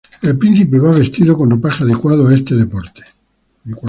El príncipe va vestido con ropaje adecuado a este deporte.